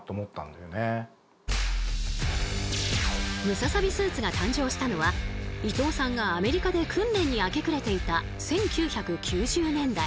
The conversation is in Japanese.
ムササビスーツが誕生したのは伊藤さんがアメリカで訓練に明け暮れていた１９９０年代。